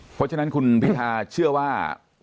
เพราะฉะนั้นคุณพิทาเชื่อว่า